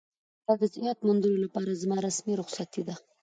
دا د صحت موندلو لپاره زما رسمي رخصتي ده.